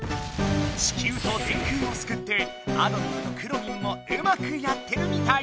地きゅうと「電空」をすくってあどミンとくろミンもうまくやってるみたい。